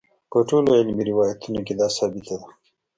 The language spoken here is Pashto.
په ټولو علمي روایتونو کې دا ثابته ده.